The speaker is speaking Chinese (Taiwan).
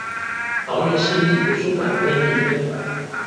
桃園市立圖書館內壢分館